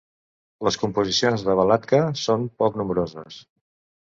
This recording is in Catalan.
Les composicions de Balatka són poc nombroses.